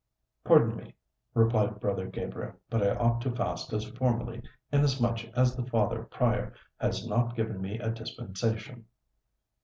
"Pardon me," replied Brother Gabriel, "but I ought to fast as formerly, inasmuch as the Father Prior has not given me a dispensation."